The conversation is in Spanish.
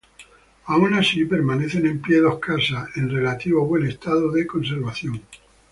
Aun así permanecen en pie dos casas en relativo buen estado de conservación.